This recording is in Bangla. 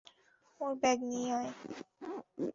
ওর ব্যাগ নিয়ে আয়।